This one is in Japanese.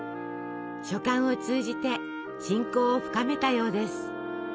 書簡を通じて親交を深めたようです。